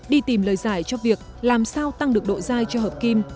đi tìm lời giải cho việc làm sao tăng được độ dai cho hợp kim